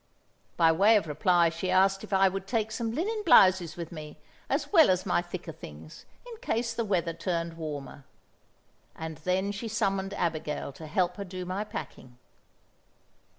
By way of reply, she asked if I would take some linen blouses with me, as well as my thicker things, in case the weather turned warmer? And then she summoned Abigail to help her do my packing.